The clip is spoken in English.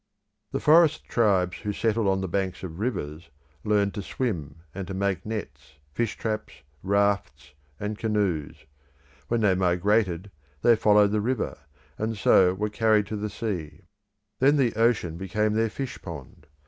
The forest tribes who settled on the banks of rivers learnt to swim and to make nets, fish traps, rafts, and canoes. When they migrated they followed the river, and so were carried to the sea. Then the ocean became their fish pond.